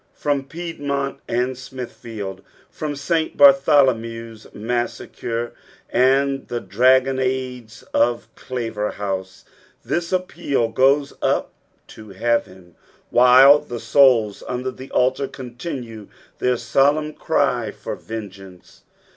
From Piedmont and Smitfafield, from St. Bartholomew's massacre and the dragoonades of Claverhouse, this appeal goes up to heaven,, white the souls under the altar continue their solemn cij for vungeance.